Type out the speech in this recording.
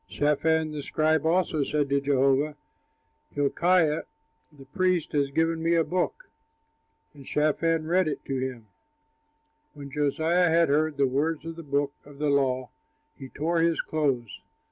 Shaphan, the scribe, also said to Josiah, "Hilkiah, the priest, has given me a book." And Shaphan read it to him. When Josiah had heard the words of the book of the law, he tore his clothes.